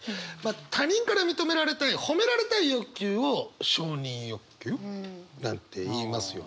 他人から認められたい褒められたい欲求を「承認欲求」なんていいますよね。